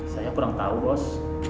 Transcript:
saya kurang tahu bos